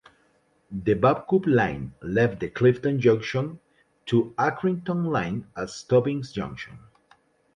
The Bacup line left the Clifton Junction to Accrington line at Stubbins Junction.